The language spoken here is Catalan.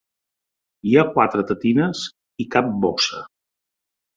Hi ha quatre tetines i cap bossa.